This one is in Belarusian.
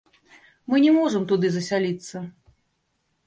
Мы не можам туды засяліцца.